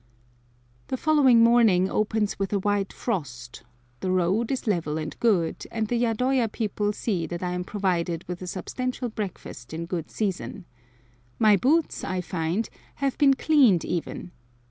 The following morning opens with a white frost, the road is level and good, and the yadoya people see that I am provided with a substantial breakfast in good season. My boots, I find, have been cleaned even.